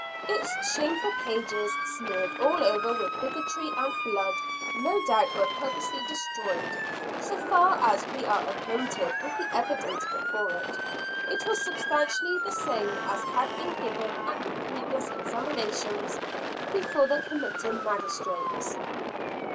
Its shameful pages, smeared all over with bigotry and blood, no doubt were purposely destroyed. So far as we are acquainted with the evidence given before it, it was substantially the same as had been given at the previous examinations before the committing magistrates.